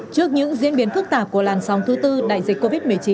trước những diễn biến phức tạp của làn sóng thứ tư đại dịch covid một mươi chín